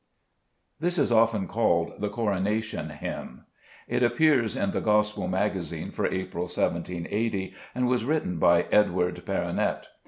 This is often called " The Coronation Hymn." It appeared in the Gospel Magazine for April, 17S0, and was written by Edward Perronet.